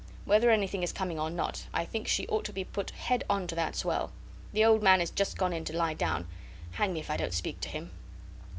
Whether anything is coming or not I think she ought to be put head on to that swell. The old man is just gone in to lie down. Hang me if I don't speak to him."